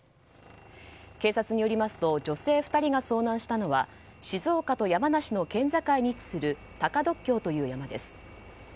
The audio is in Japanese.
警察によりますと女性２人が遭難したのは静岡と山梨の県境に位置する高ドッキョウという山です。